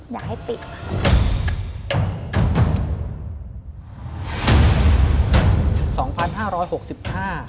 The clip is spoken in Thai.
อยากให้ปิดค่ะ